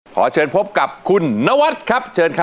ขอเชิญพบกับคุณนวัดครับเชิญครับ